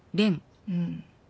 うん。